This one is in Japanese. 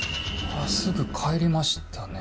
すぐ帰りましたね